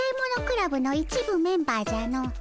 クラブの一部メンバーじゃの。